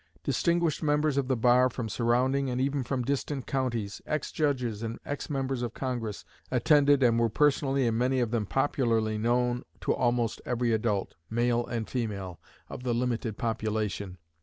Distinguished members of the bar from surrounding and even from distant counties, ex judges and ex Members of Congress, attended and were personally and many of them popularly known to almost every adult, male and female, of the limited population.